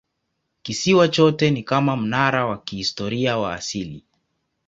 Kisiwa chote ni kama mnara wa kihistoria wa asili.